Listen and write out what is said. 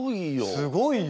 すごいよ！